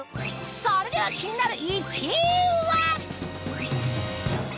それでは気になる１位は？